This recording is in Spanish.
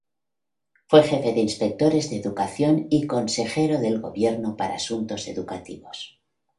Fue jefe de inspectores de educación y consejero del Gobierno para asuntos educativos.